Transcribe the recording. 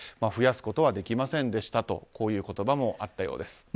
増やすことはできませんでしたという言葉もあったようです。